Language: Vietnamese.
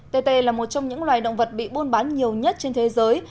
tê tê là một trong những loài động vật bị buôn bán nhiều nhất trên thế giới